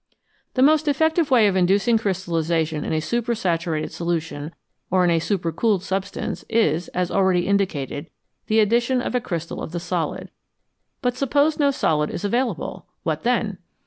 The most effective way of inducing crystallisation in a supersaturated solution or in a supercooled substance is, as already indicated, the addition of a crystal of the solid. But suppose no solid is available ! what then